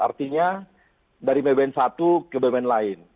artinya dari bbm satu ke bumn lain